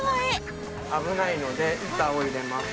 危ないので板を入れます。